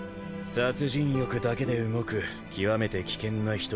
殺人欲だけで動く極めて危険な人斬り。